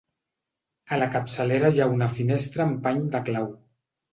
A la capçalera hi ha una finestra amb pany de clau.